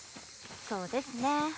そうですね